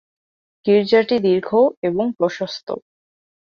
গির্জাটি দীর্ঘ এবং প্রশস্ত।